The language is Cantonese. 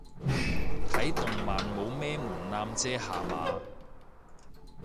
睇動畫冇咩門檻啫吓嘛